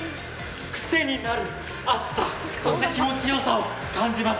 癖になる熱さ、そして気持ちよさを感じます。